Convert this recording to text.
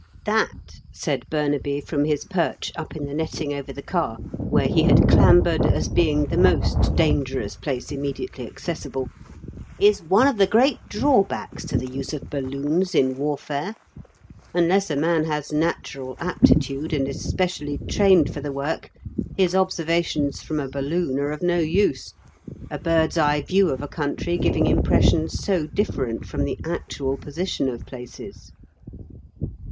"That," said Burnaby from his perch up in the netting over the car, where he had clambered as being the most dangerous place immediately accessible, "is one of the great drawbacks to the use of balloons in warfare. Unless a man has natural aptitude, and is specially trained for the work, his observations from a balloon are of no use, a bird's eye view of a country giving impressions so different from the actual position of places."